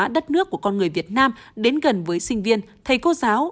đất nước của con người việt nam đến gần với sinh viên thầy cô giáo